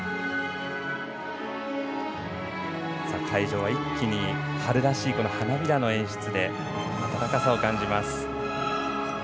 会場は一気に春らしい花びらの演出で温かさを感じます。